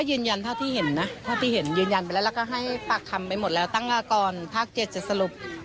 ยืนยันเท่าที่เห็นนะเท่าที่เห็นยืนยันไปแล้วแล้วก็ให้ปากคำไปหมดแล้วตั้งอากรภาค๗จะสรุป